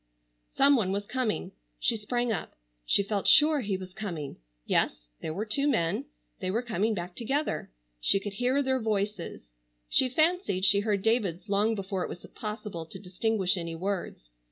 Some one was coming. She sprang up. She felt sure he was coming. Yes, there were two men. They were coming back together. She could hear their voices. She fancied she heard David's long before it was possible to distinguish any words.